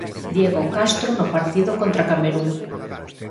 Diego Castro no partido contra Camerún